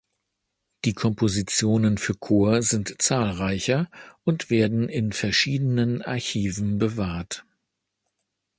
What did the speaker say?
Die Kompositionen für Chor sind zahlreicher und werden in verschiedenen Archiven bewahrt.